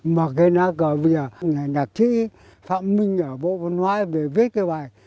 mà cây lá cờ bây giờ đặc trị phạm minh ở bộ văn hóa về viết cái bài